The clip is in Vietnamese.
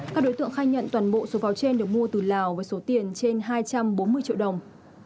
các đối tượng khai nhận toàn bộ số pháo trên được mua từ lào với số tiền trên hai trăm bốn mươi triệu đồng